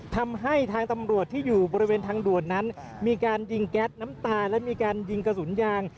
ทำให้ทางตำรวจที่อยู่บริเวณทางด่วนนั้นมีการยิงแก๊สน้ำตาและมีการยิงกระสุนยาง